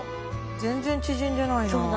全然縮んでないな。